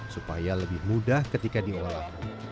supaya lebih mudah ketika diolah